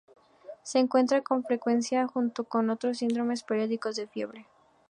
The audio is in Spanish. Se encuentra con frecuencia junto con otros síndromes periódicos de fiebre.